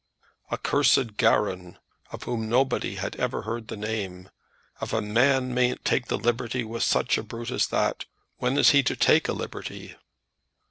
"A cursed garron, of whom nobody had ever heard the name! If a man mayn't take a liberty with such a brute as that, when is he to take a liberty?"